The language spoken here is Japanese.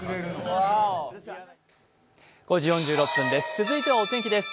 続いてはお天気です。